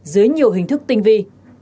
dưới nhiều hình thức tinh vi